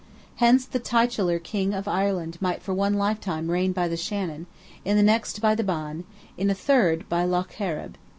Hence, the titular King of Ireland might for one lifetime reign by the Shannon, in the next by the Bann, in a third, by Lough Corrib.